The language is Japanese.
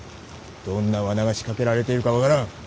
どんな罠が仕掛けられているか分からん。